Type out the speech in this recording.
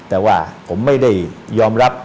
แต่ว่าผมไม่ได้ยอมรับ